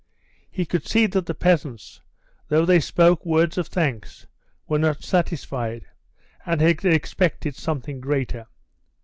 He could see that the peasants, though they spoke words of thanks, were not satisfied, and had expected something greater.